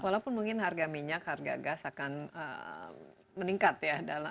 walaupun mungkin harga minyak harga gas akan meningkat ya